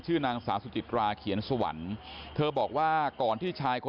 นางสาวสุจิตราเขียนสวรรค์เธอบอกว่าก่อนที่ชายคน